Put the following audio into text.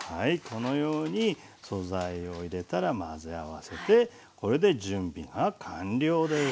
このように素材を入れたら混ぜ合わせてこれで準備が完了です。